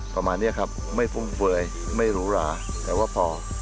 ประมาณนี้ครับไม่ฟุ่มเฟือยไม่หรูหราแต่ว่าพอ